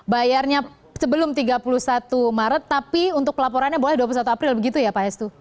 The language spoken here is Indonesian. bayarnya sebelum tiga puluh satu maret tapi untuk pelaporannya boleh dua puluh satu april begitu ya pak hestu